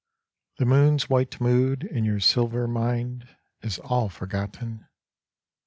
The moon's white mood In your silver mind Is all forgotten.